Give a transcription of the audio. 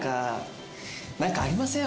何かありません？